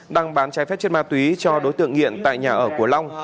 đang bán trái phép chất ma túy cho đối tượng nghiện tại nhà ở của long